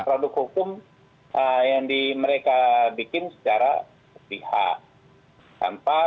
produk hukum yang mereka bikin secara pihak